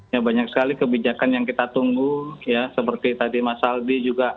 ya banyak sekali kebijakan yang kita tunggu ya seperti tadi mas aldi juga